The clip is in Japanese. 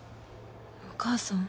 お母さん？